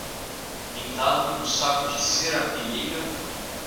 Pintado em um saco de serapilheira